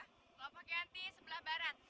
kelompoknya anti sebelah barat